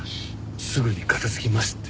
すぐに片付きますって。